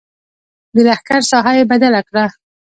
د لښکر ساحه یې بدله کړه.